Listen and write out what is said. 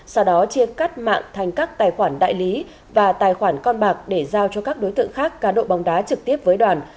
sau đó chia cắt mạng thành các tài khoản đại lý và tài khoản con bạc để giao cho các đối tượng khác cá độ bóng đá trực tiếp với đoàn